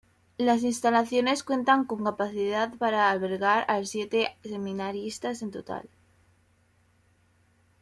Las instalaciones cuentan con capacidad para albergar a siete seminaristas en total.